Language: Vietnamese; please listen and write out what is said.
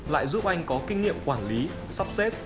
lại giúp anh có kinh nghiệm quản lý sắp xếp